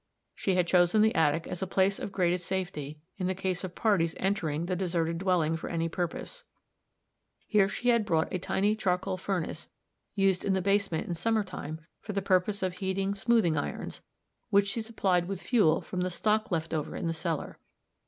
She had chosen the attic as a place of greatest safety, in the case of parties entering the deserted dwelling for any purpose; here she had brought a tiny charcoal furnace, used in the basement in summer time for the purpose of heating smoothing irons, which she supplied with fuel from the stock left over in the cellar.